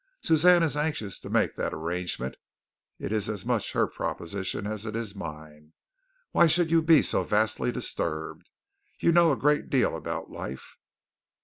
Suzanne is anxious to make that arrangement. It is as much her proposition as it is mine. Why should you be so vastly disturbed? You know a great deal about life."